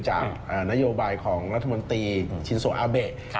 จากนโยบายของรัฐมนตรีชินโซอาเบะ